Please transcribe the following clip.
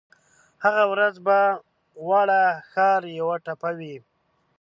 هغه ورځ به واړه ښار یوه ټپه وي